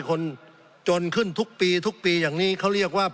สงบจนจะตายหมดแล้วครับ